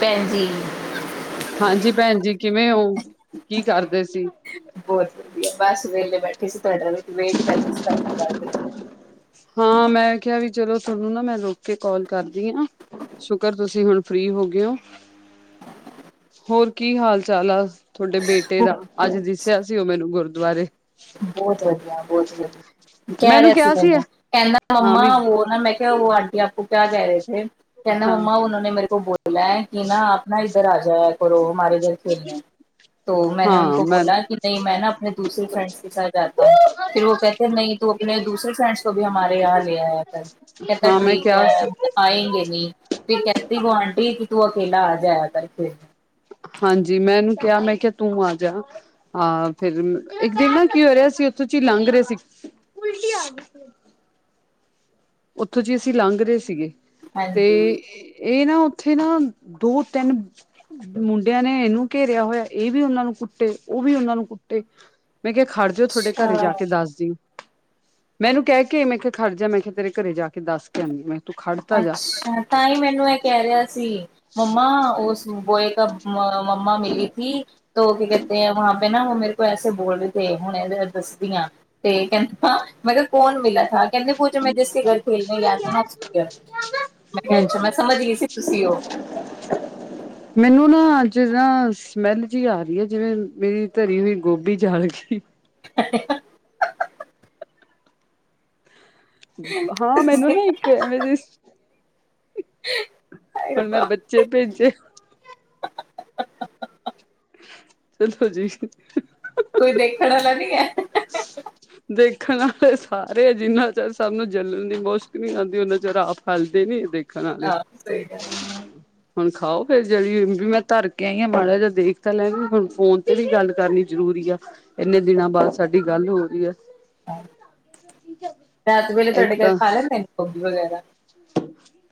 ਭੈਣ ਜੀ ਹਾਂਜੀ ਭੈਣ ਜੀ। ਕਿਵੇਂ ਹੋਊ ਕੀ ਕਰਦੇ ਸੀ। ਬਹੁਤ ਵਧੀਆ ਬਸ ਵੇਲੇ ਬੈ ਕਿਸ ਵੇਟ ਕਰ ਹਾਂ ਮੈਂ ਕਿਆ ਵੀ ਚਲੋ ਥੋਨੂੰ ਨਾ ਮੈਂ ਰੁਕ ਕੇ ਕੋਲ ਕਰਦੀ ਆ ਸ਼ੁਕਰ ਤੁਸੀਂ ਹੁਣ ਫ੍ਰਰੀ ਹੋ ਗੇ ਓ ਹੋਰ ਕੀ ਹਾਲ ਚਾਲ ਆ ਥੋਡੇ ਬੇਟੇ ਦਾ ਅੱਜ ਦਿਸਿਆ ਸੀ ਓ ਮੈਨੂੰ ਗੁਰ ਦੁਆਰੇ ਬੋਤ ਵਧੀਆ ਬੋਤ ਵਧੀਆ ਕੈ ਮੈਨੂੰ ਰਿਆ ਸੀ ਕਿਹਾ ਮੈਨੂੰ ਕੈਂਦਾ ਹਾਂ ਮੰਮਾ ਵੀ ਓ ਨਾ ਮੈਂ ਕਿਆ ਆਂਟੀਆਂ ਓ ਕਿਆ ਕਹਿ ਰਹੇ ਥੇ ਕੈਨਾ ਹਾਂ ਮੰਮਾ ਓਨਾਂ ਨੇ ਮੇਰੇ ਕੋ ਬੋਲਾ ਐ ਕੀ ਨਾ ਆਪ ਨਾ ਇਧਰ ਆ ਜਾਇਆ ਕਰੋ ਹਮਾਰੇ ਘਰ ਖੇਲਣੇ ਤੋ ਮੈਨੇ ਹਾਂ ਉਂਨਕੋ ਮੈਂ ਬੋਲਾ ਕੀ ਨਈ ਮੈਂ ਨਾ ਆਪਣੇ ਦੂਸਰੇ ਫ੍ਰੈਂਡਸ [unintelligible] ਫਿਰ ਓ ਕਹਿਤੇ ਨਈ ਤੂੰ ਆਪਣੇ ਦੂਸਰੇ ਫ੍ਰੈਂਡਸ ਕੋ ਵੀ ਹਮਾਰੇ ਯਹਾਂ ਲੇ ਆਇਆ ਕਰ ਕਹਤਾ ਹਾਂ ਮੈਂ ਠੀਕ ਐ ਕਿਹਾ ਸੀ ਆਏਗੇ ਨੀ ਫਿਰ ਕਹਿਤੀ ਵੋ ਆਂਟੀ ਕਿ ਤੂੰ ਅ ਪੇਲਾ ਆ ਜਾਇਆ ਕਰ ਫੇਰ ਹਾਂਜੀ ਮੈਂ ਇਨੂੰ ਕਿਆ ਮੈਂ ਕਿਆ ਤੂੰ ਆ ਜਾ ਹਾਂ ਫਿਰ ਇੱਕ ਦਿਨ ਨਾ ਕੀ ਹੋ ਰਿਆ ਸੀ ਉਥੋਂ ਚੀ ਲੰਘ ਰੇ ਸੀ ਉਲਟੀ ਆਗੀ ਉੱਥੋਂ ਜੀ ਅਸੀਂ ਲੰਘ ਰੇ ਸੀਗੇ ਹਾਂਜੀ। ਏ ਨਾ ਉੱਥੇ ਨਾ ਦੋ ਤਿੰਨ ਮੁੰਡਿਆਂ ਨੇ ਏਨੂੰ ਘੇਰਿਆ ਹੋਇਆ ਏ ਵੀ ਓਨਾਂ ਨੂੰ ਕੁੱਟੇ ਓ ਵੀ ਓਨਾਂ ਨੂੰ ਕੁੱਟੇ। ਮੈਂ ਕਾ ਖੜ ਜੋ ਥੋਡੇ ਘਰੇ ਅੱਛਾ ਜਾ ਕੇ ਦੱਸ ਦੀ ਮੈ ਉਨੂੰ ਕੈ ਕੇ ਮੈਂ ਕਿਆ ਖੜਜਾ ਮੈਂ ਕਿਆ ਤੇਰੇ ਘਰੇ ਜਾ ਕੇ ਦੱਸ ਕੇ ਆਨੀ ਮੈਂ ਤੂੰ ਖੜ ਤਾਂ ਜਾ ਅੱਛਾ ਤਾਂ ਈ ਮੈਨੂੰ ਏ ਕੈ ਰਿਆ ਸੀ ਮੰਮਾ ਓਸ ਬੋਏ ਕਾ ਮੰਮਾ ਮਿਲੀ ਥੀ ਤੋ ਕੀ ਕਹਤੇ ਆ ਵਾਹਾਂ ਪੇ ਨਾ ਵੋ ਮੇਰੇ ਕੋ ਐਸੇ ਬੋਲ ਰਹੇ ਥੇ ਹੁਣੇ ਦ ਦੱਸਦੀਆਂ ਤੇ ਕੈਂਦਾ ਮੈਂ ਕਾ ਕੌਣ ਮਿਲਾ ਥਾ ਕਹਿੰਦੇ ਪੁੂਛੋ ਮੈਂ ਜਿਸ ਕੇ ਗਰ ਖੋਲਨੇ ਗਿਆ ਥਾ ਨਾ ਉਸ ਮੈਂ ਕਿਆ ਹਮ ਅੱਛਾ ਮੈਂ ਸਮਝ ਗੀ ਸੀ ਤੁਸੀਂ ਓ [unintelligible] ਸਮੈਲ ਜੀ ਆ ਰੀ ਐ ਜਿਵੇਂ ਮੇਰੀ ਧਰੀ ਹੋਈ ਗੋਭੀ ਜਲ ਗੀ [unintelligible] ਹਾਂ ਮੈਨੂੰ ਨਾ ਹਾਏ ਇੱਕ ਐਵੇਂ ਜੇ ਸ ਹੁਣ ਮੈਂ ਰੱਬਾ ਬੱਚੇ ਭੇਜੇ ਦਸੋ ਜੀ। ਕੋਈ ਦੇਖਣ ਆਲਾ ਨੀ ਐ ਦੇਖਣ ਆਲੇ ਸਾਰੇ ਐ ਜਿੰਨਾ ਚਿਰ ਸਭ ਨੂੰ ਜਲਣ ਦੀ ਮੁਸ਼ਕ ਨੀ ਆਂਦੀ ਉਨਾ ਚਿਰ ਆਪ ਹਲਦੇ ਨੀ ਦੇਖ ਆਹ ਸਹੀ ਗਲ ਹੁਣ ਖਾਓ ਫਿਰ ਜਿਹੜੀ ਵੀ ਮੈਂ ਧਰ ਕੇ ਆਈ ਹਾਂ ਮਾੜਾ ਜਿਹਾ ਦੇਖ ਤਾਂ ਲੈਗੇ ਹੁਣ ਫੋਨ ਤੇ ਵੀ ਗੱਲ ਕਰਨੀ ਜ਼ਰੂਰੀ ਆ ਇੰਨੇ ਦਿਨਾਂ ਬਾਅਦ ਸਾਡੀ ਗੱਲ ਹੋ ਰਹੀ ਹੈ। [unintelligible] ਰਾਤ ਵੇਲੇ ਤੁਹਾਡੇ ਘਰ ਖਾ ਲੈਂਦੇ ਨੇ ਖੋਗੀ ਵਗੈਰਾ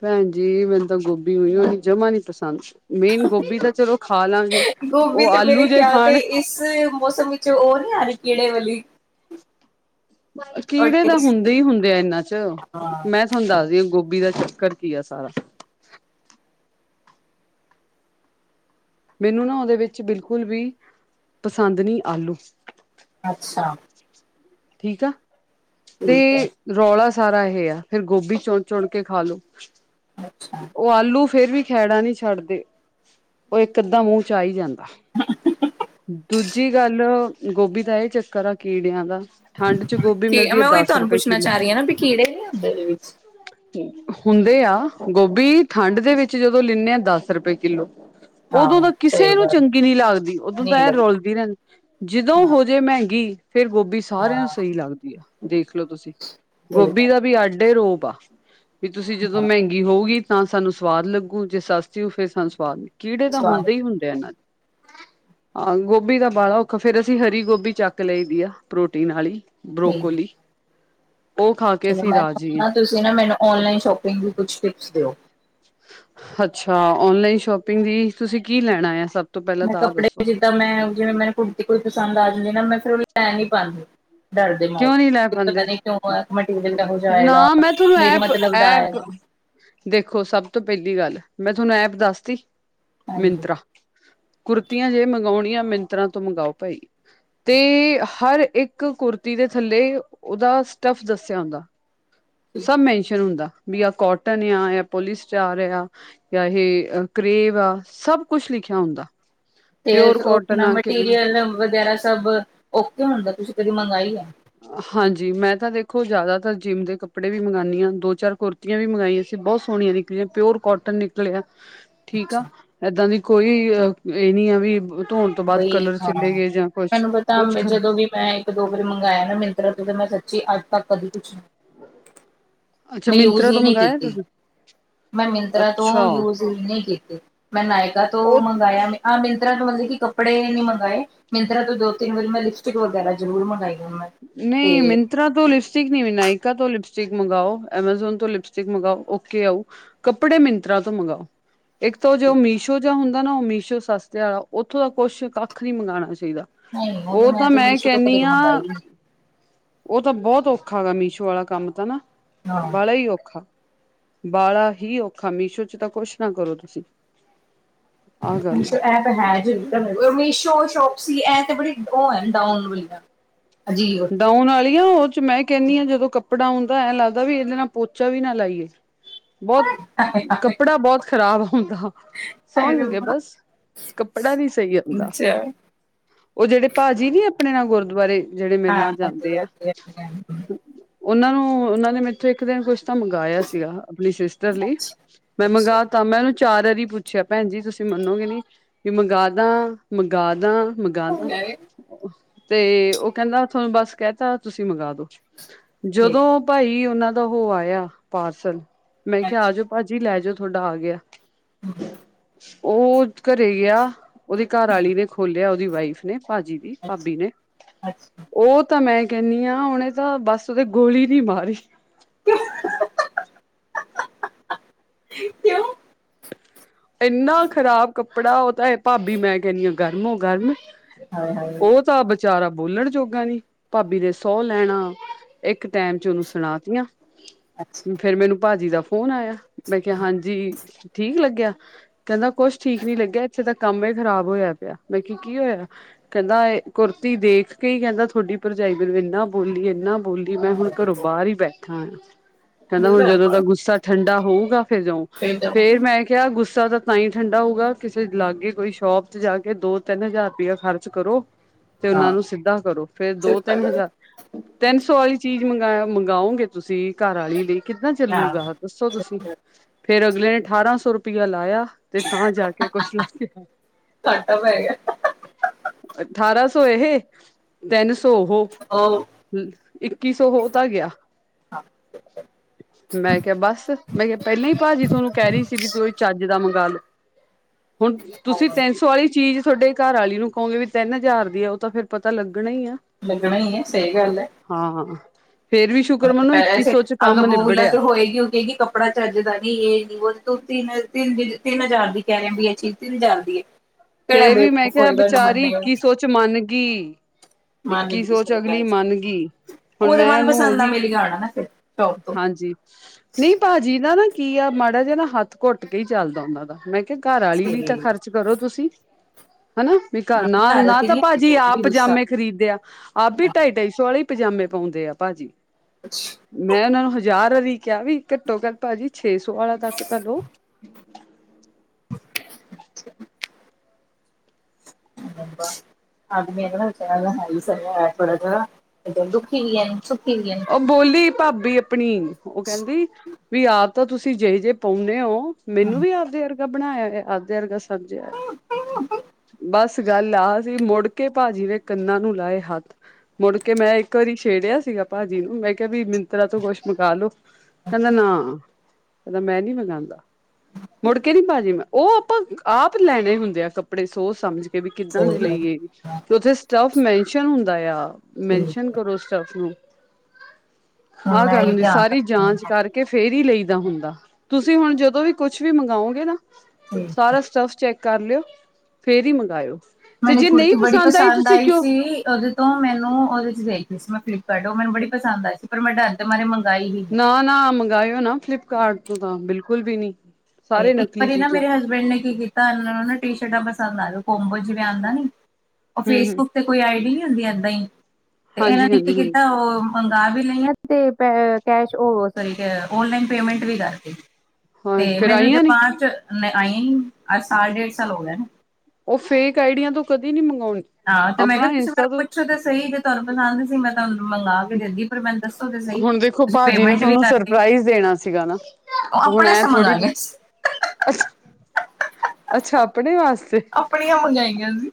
ਭੈਣਜੀ, ਮੈਨੂੰ ਤਾਂ ਗੋਭੀ ਹੋਈ ਹੋਈ ਜਮਾ ਨੀ ਪਸੰਦ ਮੇਨ ਗੋਭੀ ਤਾਂ ਚਲੋ ਖਾ ਲਾਂਗੇ ਗੋਭੀ ਉਹ ਤੇ ਮੇਰੇ ਆਲੂ ਜਿਹੇ ਖਿਆਲ ਖਾਣ ਇਸ ਮੌਸਮ ਵਿੱਚ ਤੇ ਉਹ ਯ ਕੀੜੇ ਵਾਲੀ [unintelligible] ਔਰ ਕੀੜੇ ਤਾਂ ਟੇਸਟ ਹੁੰਦੇ ਹੀ ਹੁੰਦੇ ਆ ਇਹਨਾਂ ਚ, ਹਾਂ ਮੈਂ ਤੁਹਾਨੂੰ ਦੱਸਦੀ ਹ ਗੋਭੀ ਦਾ ਚੱਕਰ ਕੀ ਆ ਸਾਰਾ ਮੈਨੂੰ ਨਾ ਉਹਦੇ ਵਿੱਚ ਬਿਲਕੁਲ ਵੀ ਪਸੰਦ ਨਹੀਂ ਆਲੂ ਅੱਛਾ ਠੀਕ ਆ। ਤੇ ਠੀਕ ਹੈ ਰੌਲਾ, ਸਾਰਾ ਇਹੇ ਆ, ਫੇਰ ਗੋਭੀ ਚੁਣ ਚੁਣ ਕੇ ਖਾ ਲੋੋ। ਅੱਛਾ ਉਹ ਆਲੂ ਫੇਰ ਵੀ ਖੈੜਾ ਨਹੀ ਛੱਡਦੇ ਉਹ ਇੱਕ ਅੱਧਾ ਮੂੰਹ ਚ ਆ ਹੀ ਜਾਂਦਾ। ਦੂਜੀ ਗੱਲ ਗੋਭੀ ਦਾ ਇਹ ਚੱਕਰ ਆ ਕੀੜਿਆਂ ਦਾ, ਠੰਡ ਚ ਗੋਭੀ ਕੀ ਮਿਲਦੀ ਹੈ ਮੈਂ ਉਹੀ ਦਸ ਤੁਹਾਨੂੰ ਰੁਪਏ ਪੁੱਛਣਾ ਕਿੱਲੋ ਚਾਹ ਰਹੀ ਹਾਂ ਨਾ ਵੀ ਕਿਹੜੇ ਨੇਦੇ ਵਿੱਚ ਹੁੰਦੇ ਆ ਗੋਭੀ ਠੰਡ ਦੇ ਵਿੱਚ ਜਦੋਂ ਲਿਨੇ ਆ ਦਸ ਰੁਪਏ ਕਿੱਲੋ। ਉਦੋਂ ਆਹੋ ਤਾਂ ਕਿਸੇ ਸਹੀ ਨੂੰ ਗੱਲ ਚੰਗੀ ਨੀ ਲੱਗਦੀ ਉਦੋਂ ਨਹੀਂ ਤਾਂ ਲੱਗਦੀ ਰੋਲਦੀ ਰਹਿੰਦੀ ਜਦੋਂ ਹੋਜੇ ਮਹਿੰਗੀ, ਫੇਰ ਗੋਭੀ ਸਾਰਿਆਂ ਨੂੰ ਹਾਂ ਸਹੀ ਲੱਗਦੀ ਆ। ਦੇਖਲੋ ਤੁਸੀਂ, ਸਹੀ ਗੋਭੀ ਗੱਲ ਦਾ ਵੀ ਆਡੇ ਰੋ [unintelligible] ਵੀ ਤੁਸੀਂ ਜਦੋਂ ਮਹਿੰਗੀ ਹੋਊਗੀ। ਤਾਂ ਸਾਨੂੰ ਸਵਾਦ ਲੱਗੂ ਜੇ ਸਸਤੀ ਹੋਊ ਫੇਰ ਸਾਨੂੰ ਸਵਾਦ ਨ ਕੀੜੇ ਤਾਂ ਸਵਾਦ ਹੁੰਦੇ ਹੀ ਹੁੰਦੇ ਆ ਨਾ, ਹਾਂ ਗੋਭੀ ਦਾ ਵਾਲਾ ਔਖਾ ਫੇਰ ਅਸੀਂ ਹਰੀ ਗੋਭੀ ਚੱਕ ਲਈ ਦੀ ਐ ਪ੍ਰੋਟੀਨ ਆਲੀ। ਠੀਕ ਬਰੋਕੋਲੀ, ਉਹ ਖਾ ਕੇ ਚਲੋ ਅਸੀਂ ਰਾਜੀ ਆ ਮੈਂ ਤੁਸੀਂ ਨਾ ਮੈਨੂੰ ਔਨਲਾਈਨ ਸ਼ੋਪਿੰਗ ਦੀ ਕੁਛ ਟਿਪਸ ਦਿਓ। ਅੱਛਾ ਔਨਲਾਈਨ ਸ਼ੋਪਿੰਗ ਦੀ ਤੁਸੀਂ ਕੀ ਲੈਣਾ ਆ ਸਭ, ਤੋਂ ਪਹਿਲਾਂ ਮੈਂ ਤਾਂ ਆਹ ਕੱਪੜੇ, ਦੱਸੋ ਜਿੱਦਾਂ ਮੈਂ ਜਿਵੇਂ ਮੈਨੂੰ ਕੁੜਤੀ ਕੋਈ ਪਸੰਦ ਆ ਜਾਂਦੀ ਨਾ ਮੈਂ ਫੇਰ, ਮੇ ਨੀ ਪਾਦੀ, ਕਿਉਂ ਨੀ ਲੈ ਪਾਦੇ ਮਟੀਰੀਅਲ ਕਿਹੋ ਜਿਹਾ ਆਏਗਾ। ਨਾ ਮੈਂ ਤੁਹਾਨੂੰ ਮੇਰੇ ਮਤਲਬ ਦਾ ਐਪ-ਐਪ ਆਏਗਾ ਦੇਖੋ ਸਭ ਤੋਂ ਪਹਿਲੀ ਗੱਲ ਮੈਂ ਤੁਹਾਨੂੰ ਐਪ ਦੱਸ ਤੀ, ਮਿੰਨਤਰਾ ਹਾਂਜੀ। ਕੁਰਤੀਆਂ ਜੇ ਮੰਗਾਣੀਆਂ ਮਿੰਤਰਾ ਤੋਂ ਮੰਗਾਓ ਭਾਈ ਤੇ ਹਰ ਇੱਕ ਕੁਰ ਦੇ ਥੱਲੇ ਉਹਦਾ ਸਟਾਫ ਦੱਸਿਆ ਹੁੰਦਾ। ਸਭ ਮੈਨਸ਼ਨ ਹੁੰਦਾ। ਵੀ ਆ ਕੋਟਨ ਆ ਜਾਂ ਪੋਲੀ ਸਟਾਰ ਆ ਜਾਂ ਇਹ ਕਰੇਵ ਆ ਸਭ ਕੁਛ ਲਿਖਿਆ ਹੁੰਦਾ। ਤੇ ਪਿਓਰ ਉਹ ਕੋਟਨ ਆ ਕਿੱਦਾਂ ਮਟੀਰੀਅਲ ਵਗੈਰਾ ਸਭ ਓਕੇ ਹੁੰਦਾ ਤੁਸੀਂ ਕਦੀ ਮੰਗਾਈ ਐ। ਹਾਂਜੀ, ਮੈਂ ਤਾਂ ਦੇਖੋ ਜ਼ਿਆਦਾਤਰ ਜਿੰਮ ਦੇ ਕੱਪੜੇ ਵੀ ਮੰਗਾਨੀ ਹਾਂ ਦੋ ਚਾਰ ਕੁੁਰਤੀਆਂ ਵੀ ਮੰਗਾਈਆਂ ਸੀ ਬਹੁਤ ਸੋਹਣੀਆਂ ਨਿਕਲੀਆਂ ਪਿਓਰ ਕੋਟਨ ਨਿਕਲਿਆ। ਠੀਕ ਆ, ਏਦਾਂ ਦੀ। ਕੋਈ ਅ ਇਹ ਨੀ ਆ ਵੀ ਧੋਣ ਤੋਂ ਬਾਅਦ ਬਈ ਕਲਰ ਹਾਂ ਚਲੇ ਗਏ ਜਾਂ ਕੁਛ ਮੈਨੂੰ ਪਤਾ ਕੁਛ ਖਰਾ ਜਦੋਂ ਵੀ ਮੈਂ ਇੱਕ ਦੋ ਵਾਰ ਮੰਗਆ ਮਿਨਤਰਾ ਮੈਂ ਸੱਚੀ ਅੱ ਮਿਨਤਰਾ ਤ ਕਦੀ ਕੁਛ ਅੱਛਾ ਮੈਂ ਯੂਜ ਮਿੰਤਰਾ ਹੀ ਤੋਂ ਨਹੀਂ ਮੰਗਾਇਆ ਕੀਤੀ। ਤੁਸੀਂ ਮੈਂ ਮਿੰਤਰਾ ਤੋਂ ਅੱਛਾ ਯੂਜ ਹੀ ਨਹੀਂ ਕੀਤੀ। ਮੈਂ ਨਾਇਕਾ ਤੋਂ ਉਹ ਮੰਗਵਾਆ ਆਹ ਮਿੰਤਰਾ ਤੋਂ ਠਿਕ ਆ ਕੱਪੜੇ ਨੀ ਮੰਗਾਏ ਮਿੰਤਰਾ ਤੋਂ ਦੋ ਤਿੰਨ ਵਾਰ ਮੈਂ ਲਿਪਸਟਿਕ ਵਗੈਰਾ ਜ਼ਰੂਰ ਮੰਗਾਈ। ਆ ਮੈਂ ਨਹੀਂ ਤੇ ਮਿੰਤਰਾ ਤੋਂ ਲਿਪਸਟਿਕ [unintelligible] ਤੋਂ ਲਿਪਸਟਿਕ ਮੰਗਵਾਓ ਐਮਾਜ਼ੋਨ ਤੋਂ ਲਿਪਸਟਿਕ ਮੰਗਵਾਓ ਓਕੇ ਆਓ ਕੱਪੜੇ ਮਿੰਤਰਾ ਤੋਂ ਮੰਗਾਓ। ਇੱਕ ਤਾਂ ਉਹ ਜੋ ਮੀਸ਼ੋ ਜਾਂ ਹੁੰਦਾ ਤੁਹਾਨੂੰ ਮੀਸ਼ੌ ਸਸਤੇ ਆਲਾ ਹਮੇਸ਼ਾ ਉਥੋਂ ਦਾ ਕੁਝ ਕੱਖ ਨਹੀਂ ਮੰਗਾਣਾ ਚਾਹੀਦਾ ਨਹੀਂ ਉਹ ਤਾਂ ਤੇ ਮੈਂ ਮੀਸ਼ੋ ਤੋਂ ਕੈਨੀ ਕਦੇ ਆ ਮੰਗਾਈ ਨੀ ਉਹ ਤਾਂ ਬਹੁਤ ਔਖਾ ਗਾ ਮੀਸ਼ੋ ਵਾਲਾ ਕੰਮ ਤਾਂ ਨਾ ਹਾਂ। ਬਾਲਾ ਹੀ ਔਖਾ ਬਾਲਾ ਹੀ ਔਖਾ ਮੀਸ਼ੋ ਚ ਤਾਂ ਕੁਛ ਨਾ ਕਰੋ ਤੁਸੀਂ ਆਹ ਗੱਲ ਮਿਸ਼ੋ ਆ ਐਪ ਹੈ ਜਰੂਰ ਤਾਂ ਮੇਤੌਂ ਮੀਸ਼ੋ ਟੋਪ ਸੀ ਐ ਤੇ ਬੜੀ ਹੋਰ ਡਾਊਨ ਵਾਲੀ ਆ ਡੋਊਨ ਆਲੀਆਂ ਉਹ ਮੈਂ ਕੇਨੀ ਆਂ ਜਦੋਂ ਕੱਪੜਾ ਆਉਂਦਾ ਐਂ ਲੱਗਦਾ ਵੀ ਇਹਦੇ ਨਾਲ ਪੋਚਾ ਵੀ ਨਾ ਲਾਈਏ ਬਹੁਤ ਕੱਪੜਾ ਬਹੁਤ ਖ਼ਰਾਬ ਹੁੰਦਾ ਵਾ ਸੌਂਹ ਲੱਗੇ ਬਸ ਕੱਪੜਾ ਨੀ ਸਹੀ ਆਂਦਾ। ਅੱਛਾ। ਉਹ ਜਿਹੜੇ ਭਾਜੀ ਨੀ ਆਪਨੇ ਨਾਲ ਗੁਰਦੁਆਰੇ ਜਿਹੜੇ ਮੇਰੇ ਹਾਂ ਨਾਲ ਜਾਂਦੇ ਆ ਅੱਛਾ ਉਹਨਾਂ ਨੂੰ ਉਹਨਾਂ ਨੇ ਮੇਰੇ ਤੋਂ ਇੱਕ ਦਿਨ ਕੁਛ ਤਾਂ ਮੰਗਵਾਇਆ ਸੀ ਗਾ ਆਪਣੀ ਸਿਸਟਰ ਲਈ ਮੈਂ ਅੱਛਾ। ਮੰਗਵਾ ਤਾ ਮੈਂ ਉਹਨੂੰ ਚਾਰ ਵਾਰੀ ਪੁੱਛਿਆ ਭੈਣ ਜੀ ਤੁਸੀਂ ਮੱਗੋ ਨੀ ਵੀ ਮੰਗਾਦਾ ਮੰਗਾਵਾਦਾ ਮੰਗਾਦਾ ਤੇ ਉਹ ਕਹਿੰਦਾ ਤੁਹਾਨੂੰ ਬਸ ਕਹਿ ਤਾਂ ਤੁਸੀਂ ਮੰਗਾ ਦੋ ਠੀਕ ਜਦੋਂ ਭਾਈ ਉਹਨਾਂ ਉਹ ਆਇਆ ਪਾਰਸਲ ਮੈਂ ਅੱਛਾ ਕਿਹਾ ਆਜੋ ਭਾਜੀ ਲੈ ਜਾਓ ਤੁਹਾਡਾ ਆ ਗਿਆ ਉਹ ਘਰੇ ਆ ਉਹਦੀ ਘਰ ਆਲੀ ਨੇ ਖੋਲਿਆ ਉਹਦੀ ਘਰਵਾਲੀ ਦੇ ਖੋਲਿਆ ਜੀ ਦੀ ਵਾਈਫ ਨੇ ਭਾਜੀ ਦੀ ਭਾਬੀ ਨੇ ਅੱਛਾ ਅੱਛਾ। ਉਹ ਤਾਂ ਮੈਂ ਕਹਿੰਨੀ ਆ ਉਹਨੇ ਤਾਂ ਬਸ ਉਹਦੇ ਗੋਲੀ ਨਹੀਂ ਮਾਰੀ ਕਿਉਂ ਇੰਨਾ ਖ਼ਰਾਬ ਕੱਪੜਾ ਉਹ ਤਾਂ ਹੈ ਭਾਬੀ ਮੈਂ ਕਹਦੀ ਆ ਗਰਮ ਗਰਮ ਹਾਏ ਹਾਏ। ਉਹ ਤਾਂ ਵਿਚਾਰਾ ਬੋਲਣ ਜੋਗਾ ਨੀ ਭਾਬੀ ਨੇ ਸੋ ਲੈਣਾ ਇੱਕ ਟਾਈਮਚ, ਉਹਨੂੰ ਸੁਣਾ ਤਿਆਂ ਹਾਂ ਫੇਰ ਮੈਨੂੰ ਭਾਜੀ ਦਾ ਫੋਨ ਆ ਫੋਨ ਆਇਆ ਮੈਂ ਕਿਹਾ ਹਾਂਜੀ ਠੀਕ ਲੱਗਿਆ ਕਹਿੰਦਾ ਕੁਛ ਠੀਕ ਨੀ ਲੱਗਿਆ ਇੱਥੇ ਦਾ ਕੰਮ ਖਰਾਬ ਹੋਇਆ ਪਿਆ ਮੈਂ ਕਿਹਾ ਕੀ ਹੋਇਆ ਕਹਿੰਦਾ ਇਹ ਕੁੁਰਤੀ ਦੇਖ ਕੇ ਕਹਿੰਦਾ ਤੁਹਾਡੀ ਭਰਜਾਈ ਮੈਨੂੰ ਇੰਨਾ ਬੋਲੀ ਇੰਨਾ ਬੋਲੀ ਮੈਂ ਹੁਣ ਘਰੋਂ ਬਾਹਰ ਹੀ ਬੈਠਾ ਹਾਂਜੀ ਕਹਿੰਦਾ ਹੁਣ ਜਦੋਂ ਉਸ ਦਾ ਗੁੱਸਾ ਠੰਡਾ ਹੋਊਗਾ ਫੇਿਰ ਜਊ ਫੇਰ ਮੈਂ ਕਿਹਾ ਗੁੱਸਾ ਗੁੱਸਾ ਤਾਂ ਹੀ ਠੰਡਾ ਹੋਊਗਾ ਕਿਸੇ ਲਾਗੇ ਕੋਈ ਸ਼ੋਪ ਚੋ, ਜਾ ਕੇ ਦੋ ਤਿੰਨ ਹਜ਼ਾਰ ਰੁਪਇਆ ਖਰਚ ਕਰੋ ਤੇ ਉਹਨਾਂ ਨੂੰ ਸਿੱਧਾ ਕਰੋ ਫੇਰ ਦੋ ਤਿੰਨ ਹਜ਼ਾਰ ਤਿੰਨ ਕੋਈ ਚੀਜ਼ ਮੰਗਵਾਗੇ ਤੁਸੀਂ ਘਰ ਵਾਲੀ ਲਈ ਕਿਦਾਂ ਚੱਲੂਗਾ ਦੱਸੋ ਤੁਸੀਂ ਫਿਰ ਅਗਲੇ ਨੇ ਅਠਾਰਾਂ ਸੌ ਰੁਪਏ ਗਲਾਇਆ ਤੇ ਤਾਂ ਜਾ ਕੇ ਕੁਛ ਲੈ ਕੇ ਘਾਟਾ ਪੈ ਗਿਆ। ਅਠਾਰਾਂ ਸੋ ਸੋਏ ਤੈਨ ਸੋ ਹੋ ਉਹ ਇੱਕੀ ਸੌ ਹੋ ਤਾਂ ਗਿਆ ਮੈਂ ਕਿਹਾ ਬਸ ਮੈਂ ਕਿਹਾ ਪਹਿਲਾਂ ਹੀ ਭਾਜੀ ਤੁਹਾਨੂੰ ਕਹਿ ਰਹੀ ਸੀ ਤੂੰ ਵੀ ਜਿਦਾ ਮੰਗਾਲੋ ਹੁਣ ਤੁਸੀਂ ਤਿੰਨ ਸੌ ਵਾਲੀ ਚੀਜ਼ ਤੁਹਾਡੇ ਘਰਵਾਲੀ ਨੂੰ ਕਹੋਗੇ ਵੀ ਤਿੰਨ ਹਜ਼ਾਰ ਦੀ ਆਉ ਤਾਂ ਫੇਰ ਪਤਾ ਲੱਗ ਲੱਗਣਾ ਈ ਹੈ ਸਹੀ ਗੱਲ ਹੈ। ਹਾਂ ਫੇਰ ਵੀ ਸ਼ੁਕਰ ਮਨੋ ਇੱਕੀ ਸੇ ਸੌ ਚ ਅੱਗ ਕੰਮ ਬੂਲਾ ਨਿਬੜਿਆ। ਤੇ ਹੋਏਗੀ ਉਹ ਕਗੀ ਕੱਪੜਾ ਚੱਜ ਦਾ ਨੀ ਯੇਨੀ ਵੋਣੀ ਨੀ ਤੀਨ ਤੀਨ ਤੀਨ ਹਜ਼ਾਰ ਦੀ ਕਹਿ ਰਹੇ ਬ ਇਹ ਚੀਜ਼ ਤਿੰਨ ਹਜ਼ਾਰ ਦੀ ਹੈ। ਕਿਹੜਾ ਫੇਰ ਵੀ ਮੈਂ ਬੇਵਕੂਫ ਕਿਹਾ ਹੋਏਗਾ ਨਾ ਵਿਚਾਰੀ ਮੰਨੇ ਉਹ ਇੱਕੀ ਸੌ ਚ ਮੰਨ ਗਈ। ਮਾਰਨੇ ਇੱਕੀ ਦੀ ਸੌ ਚ ਸਹੀ ਅਗਲੀ ਗੱਲ ਸੀ। ਮੰਨ ਗਈ। ਹੁਣ ਉਹਦੇ ਮੈਂ ਉਹਨੂੰ ਮਨਪਸੰਦ ਦਾ ਉਹੀ ਮਿਲ ਗਿਆ ਹੋਣਾ ਨਾ ਫਿਰ ਸ਼ੌਪ ਤੋਂ ਹਾਂਜੀ ਨਹੀਂ ਭਾਜੀ ਨਾ ਕੀ ਆ ਮਾੜਾ ਜਿਹਾ ਨਾ ਹੱਥ ਘੁੱਟ ਕੇ ਹੀ ਚੱਲਦਾ ਉਹਨਾ ਦਾ, ਮੈਂ ਘਰਆਲੀ ਲਈ ਤਾਂ ਸਹੀ। ਖਰਚ ਕਰੋ ਤੁਸੀਂ। ਹਨਾ ਵੀ ਘਰ ਹਾਂ ਨਾ ਨਾ ਤੇ ਤਾਂ ਨਹੀਂ ਆਉਣੀ ਭਾਜੀ ਜੀ ਚਾਹੀਦੀ ਆਪ ਵੀ ਗੁੱਸਾ ਪਜਾਮੇ ਖਰੀਦ ਆ, ਆਪ ਵੀ ਹਾਂ। ਢਾਈ ਢਾਈ ਸੌ ਵਾਲੀ ਪਜਾਮੇ ਪਾਉਂਦੇ ਆ ਭਾਜੀ। ਮੈਂ ਉਹਨਾਂ ਨੂੰ ਹਜ਼ਾਰ ਵੀ ਕਿਹਾ ਵੀ ਘੱਟੋ ਗੱਲ ਭਾਜੀ ਛੇ ਸੌ ਵਾਲਾ ਤੱਕ ਤਾਂ ਲੋਓ। ਆਦਮੀੱਚ ਨਾਲ ਹੈ ਹੀ ਸਿਆ ਹੋਇਆ ਥੋੜਾ ਜਿ ਇਏਦ ਦੁਖੀ ਵੀ ਹੈ ਨ [unintelligible] ਸੁਖੀ ਪਾਬੀ ਅਪ ਪਨੀਣ ਉਹ ਕਹਿੰਦੀ ਵੀ ਆਪ ਤਾਂ ਤੁਸੀਂ ਜਿਹੇ ਜੇ ਪਾਉਂਦੇ ਹੋ। ਮੈਨੂੰ ਵੀ ਆਪਦੇ ਯਾਰ ਉਹ ਬਣਾਇਆ ਅੱਧ ਦੇ ਵਰਗਾ ਸੀ। ਸਬਜ਼ ਬਸ ਗੱਲ ਆਹ ਸੀ, ਮੁੜ ਕੇ ਭਾਜੀ ਨੇ ਕੰਨਾਂ ਨੂੰ ਲਾਏ ਹੱਥ ਮੁੜ ਕੇ ਮੈਂ ਇੱਕ ਵਾਰੀ ਛੇੜਿਆ ਸੀ ਗਾ ਭਾਜੀ ਨੂੰ ਮੈਂ ਕਿਹਾ ਵੀ ਮਿੰਤਰਾ ਤੋਂ ਕੁਛ ਮੰਗ ਲੋਓ ਕਹਿੰਦਾ ਨਾ ਕਹਿੰਦਾ ਮੈਂ ਨੀ ਮੰਗਵਾਉਂਦਾ। ਮੁੜ ਕੇ ਨੀ ਭਾਜੀ ਮੈਂ ਉਹ ਆਪਾਂ ਆਪ ਲੈਣੇ ਹੁੰਦੇ ਆ ਕੱਪ ਕਪੜੇ ਸੋਚ ਸਮਝ ਕ ਵੀ ਕਿੱਦਾਂ ਦੇ ਲਈਏ ਕਜ ਸਟੱਫ ਮੈਨਸ਼ਨ ਹੁੰਦਾ ਆ, ਮੈਨਸ਼ਨ ਕਰੋ ਸਟਫ ਨੂੰ। ਆਹ ਗੱਲ ਹੁੰਦੀ। ਸਾਰੀ ਜਾਂਚ ਕਰਕੇ ਫੇਰ ਹੀ ਲਈ ਏਦਾ ਹੁੰਦਾ, ਤੁਸੀਂ ਹੁਣ ਜਦੋਂ ਵੀ ਕੁੱਛ ਵੀ ਮੰਗਓਗੇ ਨਾ ਸਾਰਾ ਸਟਫ ਚੈਕ ਕਰ ਲਿਓ ਫੇਰ ਈ ਮੰਗਾਇਓ। ਤੇ ਮੈਨੂੰ ਜੇ ਨਹੀਂ ਕੁੜਤੀ ਬੜੀ ਪਸੰਦ ਤੁਸੀਂ ਆਈ ਕਿਉਂ ਸੀ ਉਹਦੇ ਤੋਂ ਮੈਨੂੰ ਉਹਦੇ ਚ ਦੇਖ। ਮੈਂ ਫਲਿੱਪਕਾਰਟ ਉਹ ਮੈਨੂੰ ਬੜੀ ਪਸੰਦ ਆਈ ਸੀ ਪਰ ਮੈਂ ਡਰ ਦੇ ਮਾਰੇ ਮੰਗ ਨਾ ਨਾ ਮੰਗਾਯੋ ਨਾ ਫਲਿਪ। ਕਾਰਡ ਤੇ ਤਾਂ ਬਿਲਕੁਲ ਵੀ ਨੀ। ਤੇ ਸਾਰੇ ਇੱਕ ਨਕਲੀ ਵਾਰੀ ਨਾ ਚੀਜ਼ਾਂ ਮੇਰੇ ਹਸਬੈਂਡ ਨੇ ਕੀ ਕੀਤ ਤਾਨੂੰ ਨਾ ਟੀਸ਼ਰਟਾ ਪਸੰਦ ਆਓ ਕੋਮਬੋ ਜਿਵੇਂ ਆਦਾ ਨੀ। ਉਹ ਹੂੰ ਹੂੰ ਫੇਸਬੁੱਕ ਤੇ ਕੋਈ ਆਈਡੀ ਨੀ। ਅੰਮ ਏਦਾਂ ਈ। ਤੇ ਹਾਂਜੀ ਏਨਾਨੇ ਕੀ ਹਾਂਜੀ ਹਾਂ ਕੀਤਾ ਉਹ ਮੰਗਾ ਵੀ ਲਇਆ ਤੇ ਕੈ ਕੈਸ਼ ਓਹ ਸੋਰੀ ਕਿ ਆਨਲਾਈਨ ਪੇਮੈਂਟ ਵੀ ਕਰਤੀ। ਹਾਂ ਤੇ ਫਿਰ। ਮੈਨੂੰ ਜਪਾਨ ਚ। ਨ ਆਈ ਨੀ ਆ ਸਾਲ ਡੇਢ ਸਾਲ ਹੋ ਗਏ ਨਾ। ਉਹ ਫੇਕ ਆਈਡੀਆਂ ਤੋਂ ਕਦੇ ਨੀ ਮੰ। ਹਾਂ ਤੇ ਮੈਂ ਕਿਹਾ ਤੁਸੀਂ ਮੈਨੂੰ ਪੁੱਛੋ ਤੇ ਸਹੀ। ਤੁਹਾਨੂੰ ਪਸੰਦ ਸੀ ਮੈਂ ਤੁਹਾਨੂੰ। ਮੰਗਾ ਕੇ ਦਿੰਦੀ ਪਰ ਮੈਨੂੰ ਦੱਸੋ ਤੇ ਸਹੀ ਹੁਣ ਦੇਖੋ ਤੁਸੀਂ ਭਾਜੀ ਨੇ ਪੇਮੈਂਟ ਵੀ ਤੁਹਾਨੂੰ ਕਰਤੀ ਸਰਪ੍ਰਾਈਜ਼ ਦੇਣਾ ਸਿਗਾ ਨਾ ਉਹ ਹੁਣ ਆਪਣੇ ਐ ਸੇ ਥੋੜੀ ਮੰਗਾਈਆਂ ਸੀ ਅੱਛਾ ਅੱਛਾ ਆਪਣੇ ਵਾਸਤੇ। ਆਪਣੀਆਂ ਮੰਗਾਈਆਂ ਸੀ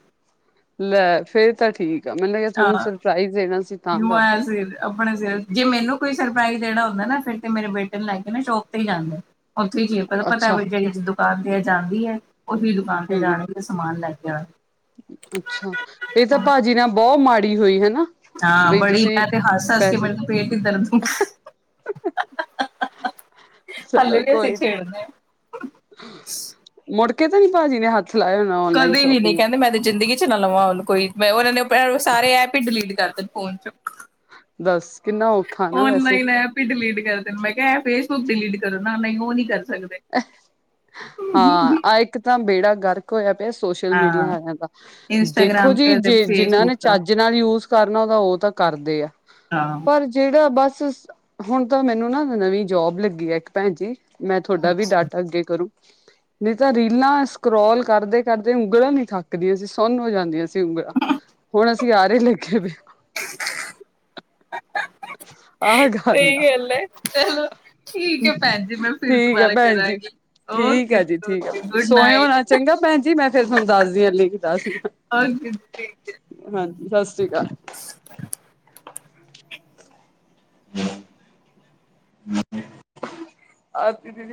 ਲੈ ਫੇਰ ਤਾਂ ਠੀਕ। ਮੈਨੂੰ ਲੱਗਿਆ ਹਾਂ ਤੁਹਾਨੂੰ ਸਰਪ੍ਰਾਈਜ਼ ਦੇਣਾ ਸੀ ਤਾਂ ਕਰਕੇ। ਮੈਂ ਸਿਰ ਆਪਣੇ ਸਿਰ ਜੇ ਮੈਨੂੰ ਕੋਈ ਸਰਪ੍ਰਾਈਜ਼ ਦੇਣਾ ਹੁੰਦਾ ਨਾ ਫਿਰ ਤੇ ਮੇਰੇ ਬੇਟੇ ਨੂੰ ਲੈ ਕੇ ਮੈਂ ਸ਼ੋਪ ਤੇ ਹੀ ਜਾਂਦੀ। ਉੱਥੇ ਹੀੀਏ ਪਲ ਪਤਾ ਅੱਛਾ ਵੱ ਜ ਜਦੋਂ [unintelligible] ਕੰਮ ਤੇ ਜਾਂਦੀ ਐ। ਉਹੀ ਦੁਕਾਨ ਤੇ ਹੂੰ ਜਾਣ ਗੇ ਸਮਾਨ ਲੈਣ। ਅ [unintelligible] ਅੱਛਾ ਇਹ ਤਾਂ ਭਾਜੀ ਨਾ ਬੋ ਮਾੜ। ਹੋਈ ਹਨ [unintelligible] ਹਾਂ ਬੜੀ ਮੈਂ ਤੇ ਹੱਸ ਹੱਸ ਕੇ ਮਨੁ ਪੇਟ ਦਰਦ ਹੋ ਹ ਹ ਹ ਹ ਹਲੇ ਚਲੋ ਵੀ ਅਸੀਂ ਕੋਈ ਛੇੜਨਾ ਏ। [unintelligible] ਮੁੜਕੇ ਤੇ ਨੀ ਭਾਜੀ ਨੇ ਹੱਥ। ਲਾਇਆ ਹੋਣਾ ਔਨਲਾਈਨ ਕਦੇ ਵੀ ਨੀ ਸ਼ੋਪਿੰਗ ਕਹਿੰਦੇ ਮੈਂ ਤੇ ਜ਼ਿੰਦਗੀ ਚ ਨਾ ਲਵਾਂ ਉਹਨੂੰ। ਕੋਈ ਮੈਂ ਉਨ੍ਹਾਂ ਨੁੰ। ਕਰੋ ਸਾਰੇ ਐਪ ਈ ਦਲੀਡ ਕਰ। ਫਹ ਚੁ। ਦੱਸ ਕਿੰਨਾ ਔਖਾ ਨਾ ਵੈਸੇ ਓਨਲਾਈਨ ਐਪ ਹੀ ਡਿਲੀਟ ਕਰ ਦੇਣ ਮੈਂ ਕਿਹਾ ਫੇਸਬੁੱਕ ਡਿਲੀਟ ਕਰੋ ਨਾ। ਉਹ ਨੀਂ ਕਰ। ਸਕਦੇ। ਹਾਂ ਆ ਇੱਕ। ਤਾਂ ਬੇੜਾ ਗ਼ਰਕ ਹੋਇਆ। ਸੋਸ਼ਲ ਮੀਡੀਆ ਹਾਂ ਵਾਲਿਆਂ ਦਾ ਦੇਖੋ ਇੰਸਟਾਗ੍ਰਾਮ ਜੀ ਤੇ ਤੇ ਜੇ ਜਿਨਾਂ ਨੇ ਫੇਸਬੁੱਕ ਦਾ ਚੱਜ ਨਾਲ ਯੂਜ਼। ਕਰਨਾ ਉਹਦਾ ਉਹ ਤਾਂ ਕਰਦੇ ਆ। ਹਾਂ। ਪਰ ਜਿਹੜਾ ਬਸ। ਹੁਣ ਤਾਂ ਮੈਨੂੰ ਨਾ ਨਵੀਂ ਜੋਬ ਲੱਗੀ ਆ ਇੱਕ ਭੈਣ ਜੀ। ਤੁਹਾਡਾ ਵੀ ਅੱਛਾ। ਡਾਟਾ ਅੱਗੇ ਕਰੋ। ਨਹੀਂ ਤਾਂ ਰੀਲਾਂ ਸਕਰੋਲ ਕਰਦੇ ਕਰਦੇ ਉਂਗਲਾਂ ਨੀ ਥੱਕਦੀਆਂ ਸੀ ਸੁਨ ਹੋ ਜਾਂਦੀਆਂ ਸੀ ਉਂਗਲਾਂ ਹੁਣ ਅਸੀਂ ਆਰੇ ਲੱਗੇ। [inaudible] ਆਹ ਆ ਸਹੀ ਗੱਲ ਹੈ ਚਲੋ ਠੀਕ ਹੈ ਭੈਣ ਜੀ ਮੈਂ ਫਿਰ ਠੀਕ ਆ ਦੁਬਾਰਾ ਭੈਣ ਜੀ ਕਰਾਂਗੀ ਠੀਕ ਓਕੇ ਆ ਜੀ ਠੀਕ ਆ ਓਕੇ ਗੁੱਡ ਸੋਇਓ ਨਾ ਨਾਈਟ। ਚੰਗਾ ਭੈਣ ਜੀ ਮੈਂ ਫੇਰ ਤੁਾਨੂੰ ਦੱਸਦੀ ਹਾਂ [unintelligible] ਓਕੇ ਜੀ ਠੀਕ ਹੈ। ਹਾਂ ਸਤਿ ਸ੍ਰੀ ਅਕਾਲ [inaudible]